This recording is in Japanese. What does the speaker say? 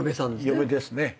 嫁ですね。